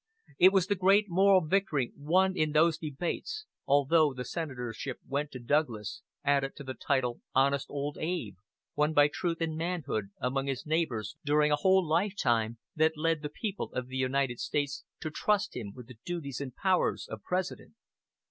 It was the great moral victory won in those debates (although the senatorship went to Douglas) added to the title "Honest Old Abe," won by truth and manhood among his neighbors during a whole lifetime, that led the people of the United States to trust him with the duties and powers of President.